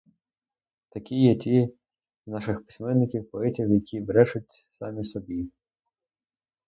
Такі є ті з наших письменників, поетів, які брешуть самі собі.